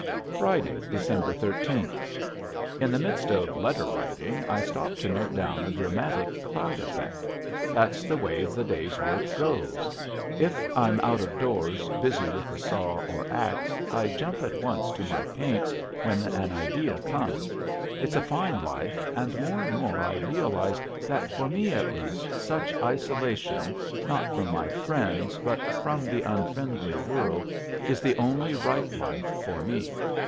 Friday, December thirteenth. In the midst of letter writing I stop to note down a dramatic cloud effect. That's the way the day's work goes. If I'm out of doors busy with the saw or axe I jump at once to my paints when an idea comes. It's a fine life and more and more I realize that for me at least such isolation not from my friends but from the unfriendly world is the only right life for me.